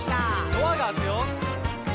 「ドアが開くよ」